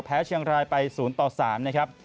แพ้เชียงรายไป๐ต่อ๓นะครับ